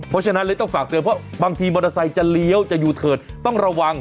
เพราะฉะนั้นเลยต้องฝากเตือนเพราะบางทีมอเตอร์ไซค์จะเลี้ยวจะยูเทิร์ดต้องระวัง